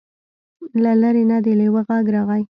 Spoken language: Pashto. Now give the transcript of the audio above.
له لرې نه د لیوه غږ راغی.